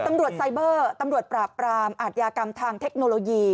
ตำรวจไซเบอร์ตำรวจปราบปรามอาทยากรรมทางเทคโนโลยี